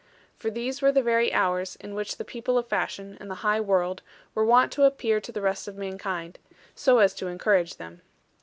For these were the very hours in which the people of fashion, and the high world, were wont to appear to the rest of mankind, so as to encourage them.